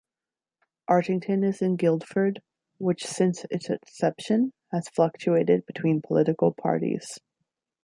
Artington is in Guildford, which since its inception has fluctuated between political parties.